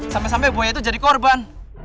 sampai sampai buaya itu jadi korban